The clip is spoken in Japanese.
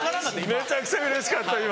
めちゃくちゃうれしかった今。